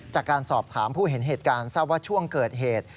จากการสอบถามผู้เห็นเหตุการณ์ทราบว่าช่วงเกิดเหตุ